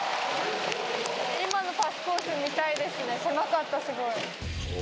今のパスコース見たいですね、狭かった、すごい。